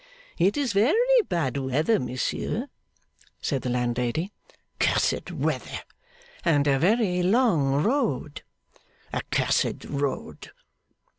'It is very bad weather, monsieur,' said the landlady. 'Cursed weather.' 'And a very long road.' 'A cursed road.